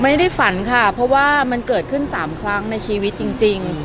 ไม่ได้ฝันค่ะเพราะว่ามันเกิดขึ้น๓ครั้งในชีวิตจริง